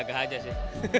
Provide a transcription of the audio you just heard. gagal aja sih